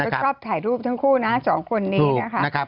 ก็ชอบถ่ายรูปทั้งคู่นะสองคนนี้นะคะ